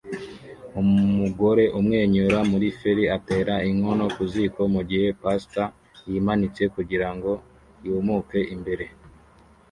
Umugore umwenyura muri feri atera inkono ku ziko mugihe pasta yimanitse kugirango yumuke imbere